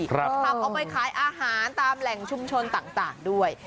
ขับเอาไปขายอาหารตามแหล่งชุมชนต่างด้วย